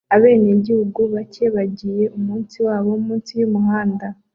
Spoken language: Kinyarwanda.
Abenegihugu bake bagiye umunsi wabo munsi yumuhanda